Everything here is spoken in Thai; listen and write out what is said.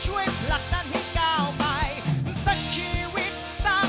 จงดตะโกนร้องไปให้สุดแรง